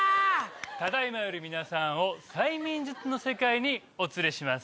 ただ今より皆さんを催眠術の世界にお連れします。